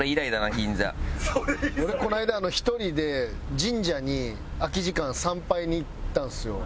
俺この間１人で神社に空き時間参拝に行ったんですよ。